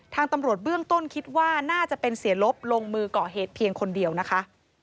ทางตำรวจเบื้องต้นคิดว่าน่าจะเป็นเสียลบลงมือก่อเหตุเพียงคนเดียวนะคะ